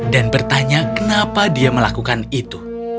dan bertanya kenapa dia melakukan itu